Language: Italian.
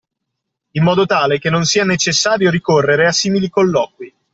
In modo tale che non sia necessario ricorrere a simili colloqui.